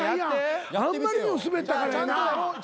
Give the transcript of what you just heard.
あんまりにもスベったからやな。